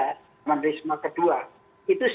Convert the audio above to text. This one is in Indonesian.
terhadap apa itu